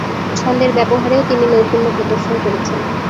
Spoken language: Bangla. ছন্দের ব্যবহারেও তিনি নৈপুণ্য প্রদর্শন করেছেন।